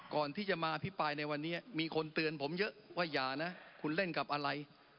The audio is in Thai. ก่อนที่จะมาอภิปรายในวันนี้มีคนเตือนผมเยอะว่าอย่านะคุณเล่นกับอะไร